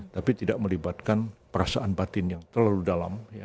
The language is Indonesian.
tapi tidak melibatkan perasaan batin yang terlalu dalam